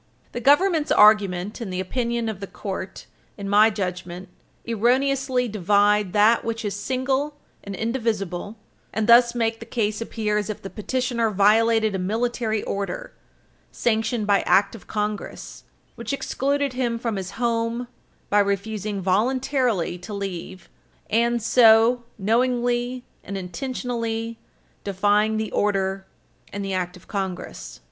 The Government's argument, and the opinion of the court, in my judgment, erroneously divide that which is single and indivisible, and thus make the case appear as if the petitioner violated a Military Order, sanctioned by Act of Congress, which excluded him from his home by refusing voluntarily to leave, and so knowingly and intentionally defying the order and the Act of Congress.